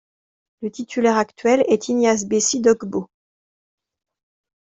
Le titulaire actuel est Ignace Bessi Dogbo.